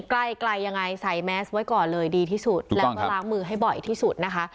ใกล้ยังไงใส่แมสไว้ก่อนเลยดีที่สุดแล้วก็ล้างมือให้บ่อยที่สุดนะคะ